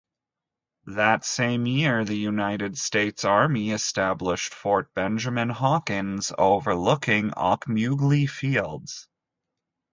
That same year United States Army established Fort Benjamin Hawkins overlooking the Ocmulgee Fields.